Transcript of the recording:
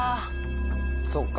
そっか。